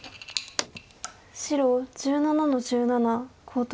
白１７の十七コウ取り。